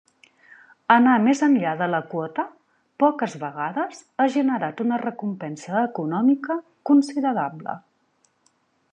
Anar més enllà de la quota poques vegades ha generat una recompensa econòmica considerable.